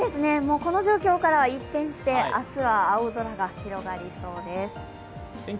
この状況からは一転して明日は青空が広がりそうです。